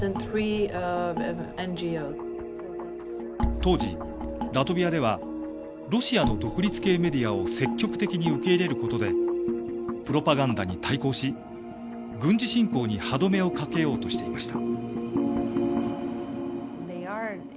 当時ラトビアではロシアの独立系メディアを積極的に受け入れることでプロパガンダに対抗し軍事侵攻に歯止めをかけようとしていました。